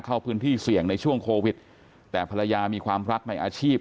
เข้าพื้นที่เสี่ยงในช่วงโควิดแต่ภรรยามีความรักในอาชีพ